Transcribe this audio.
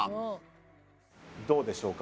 どうでしょうか？